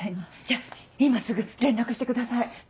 じゃあ今すぐ連絡してください。